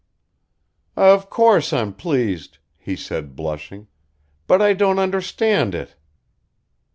"Of course I'm pleased," he said, blushing. "But I don't understand it."